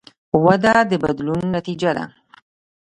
وده د بدلون نتیجه ده.